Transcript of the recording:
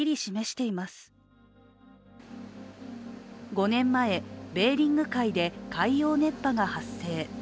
５年前、ベーリング海で海洋熱波が発生。